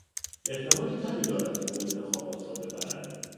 احتمال کمی دارد که او انتخابات را ببرد.